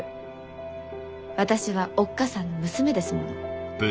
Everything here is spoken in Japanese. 私はおっ母さんの娘ですもの。